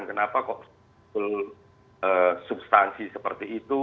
kenapa kok substansi seperti itu